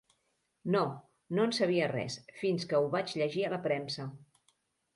No, no en sabia res, fins que ho vaig llegir a la premsa.